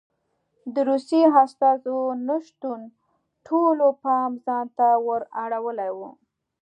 د روسیې استازو نه شتون د ټولو پام ځان ته ور اړولی و.